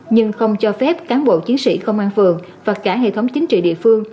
nhưng không cho phép cán bộ chiến sĩ công an phường và cả hệ thống chính trị địa phương